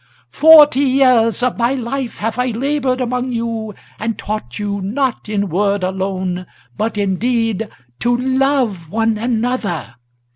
Forty years of my life have I labored among you, and taught you, Not in word alone, but in deed, to love one another!